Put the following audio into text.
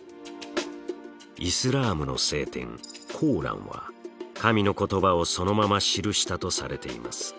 イスラームの聖典「コーラン」は神の言葉をそのまま記したとされています。